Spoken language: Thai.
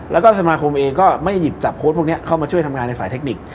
แล้วก็สมาคมเองก็ไม่หยิบจับโพสต์พวกนี้เข้ามาช่วยทำงานในสายเทคนิค